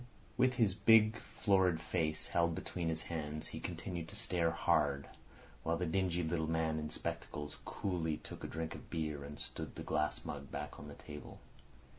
With his big florid face held between his hands he continued to stare hard, while the dingy little man in spectacles coolly took a drink of beer and stood the glass mug back on the table.